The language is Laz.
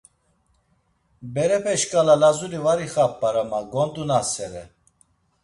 Berepe şkala Lazuri var ixap̌ar ama gondunasere.